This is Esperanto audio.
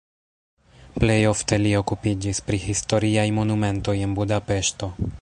Plej ofte li okupiĝis pri historiaj monumentoj en Budapeŝto.